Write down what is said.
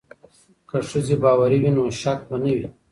که ښځې باوري وي نو شک به نه وي.